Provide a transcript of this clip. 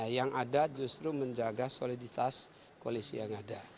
yang ada justru menjaga soliditas koalisi yang ada